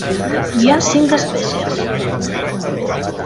Hi ha cinc espècies.